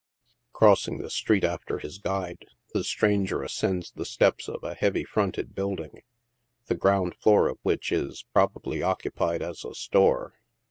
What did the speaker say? Crossing the street after his guide, the stranger ascends the steps of a heavy fronted building, the ground floor of which is, probably, occupied as a store.